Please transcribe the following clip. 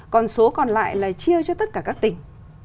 còn số còn lại là chia cho tất cả các tỉnh